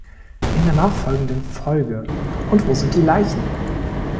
In der nachfolgenden Folge "Und wo sind die Leichen?